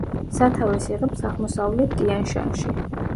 სათავეს იღებს აღმოსავლეთ ტიან-შანში.